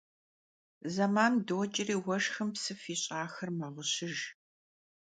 Zeman doç'ri vueşşxım psıf yiş'axer meğuşıjj.